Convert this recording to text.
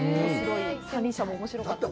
三輪車もおもしろかったです。